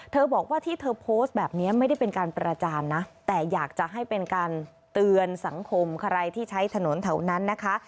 บอกว่าที่เธอโพสต์แบบนี้ไม่ได้เป็นการประจานนะแต่อยากจะให้เป็นการเตือนสังคมใครที่ใช้ถนนแถวนั้นนะคะ